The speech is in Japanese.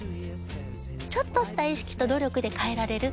ちょっとした意識と努力で変えられる。